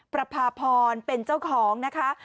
ประพาพรเป็นเจ้าของนะคะ